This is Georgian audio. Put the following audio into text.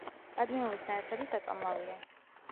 კადმიუმის ნაერთები საწამლავია.